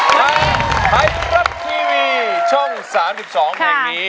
ใครทุกครับทีวีช่อง๓๒แห่งนี้